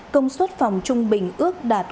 công suất phòng trung bình ước đạt